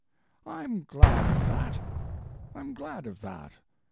I'm glad of that; I'm glad of that.